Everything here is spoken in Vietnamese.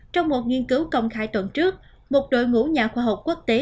trong một nghiên cứu công khai tuần trước một đội ngũ nhà khoa học quốc tế